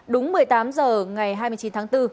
đúng một mươi tám h ngày hai mươi chín tháng bốn